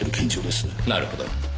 なるほど。